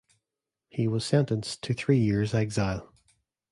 He was sentenced to three years' exile.